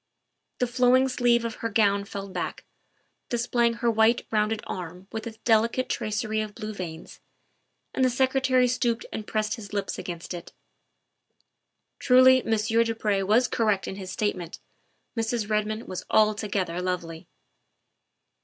The flowing sleeve of her gown fell back, display ing her white, rounded arm with its delicate tracery of blue veins, and the Secretary stooped and pressed his lips against it. Truly Monsieur du Pre was correct in his statement Mrs. Redmond was altogether lovely.